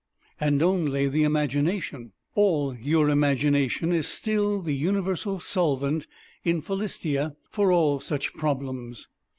And only the Imagination "all your Imagination" is still the universal solvent in Philistia for all such problems.